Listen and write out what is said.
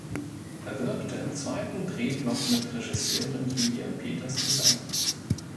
Er wirkte im zweiten Drehblock mit Regisseurin Julia Peters zusammen.